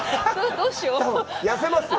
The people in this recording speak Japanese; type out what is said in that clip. どうしよう。